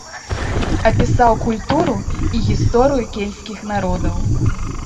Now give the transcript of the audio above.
Апісаў культуру і гісторыю кельцкіх народаў.